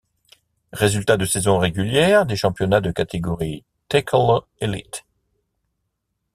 Résultats de saison régulière des championnats de catégorie Tackle Elite.